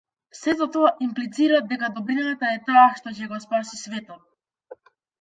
Сето тоа имплицира дека добрината е таа што ќе го спаси светот.